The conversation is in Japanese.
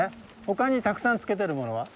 他にたくさんつけてるものは？